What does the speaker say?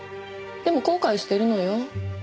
でも後悔してるのよ。